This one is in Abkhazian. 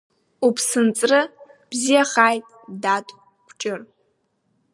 Уԥсынҵры бзиахааит, дад, Кәҷыр!